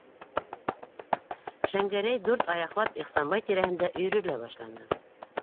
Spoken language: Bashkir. - Шәңгәрәй, дүрт аяҡлап Ихсанбай тирәһендә өйрөлә башланы.